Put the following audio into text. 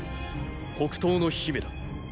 “北東の姫”だ。